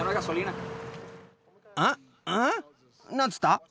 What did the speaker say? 何つった？